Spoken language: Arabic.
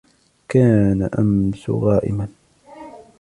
كان أمس غائما.